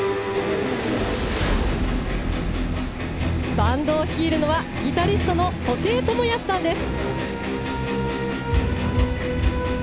バンドを率いるのはギタリストの布袋寅泰さんです。